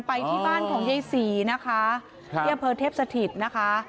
ไปที่บ้านของไยศรีนะคะเยี่ยมเผอร์เทพสถิตนะคะ